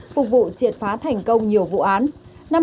phục vụ triệt phá thành công nhiều vụ án